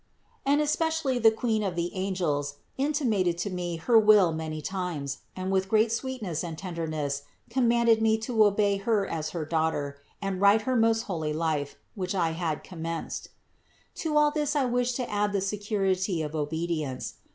And especially the Queen of the angels intimated to me her will many times, and with great sweetness and tenderness commanded me to obey Her as her daughter and write her most holy life, which I had commenced. 24. To all this I wished to add the security of obedi ence.